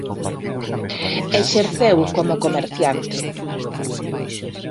Exerceu como comerciante.